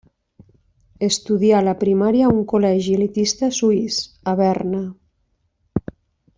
Estudià la primària a un col·legi elitista suís, a Berna.